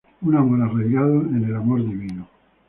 Un amor arraigado en el amor divino.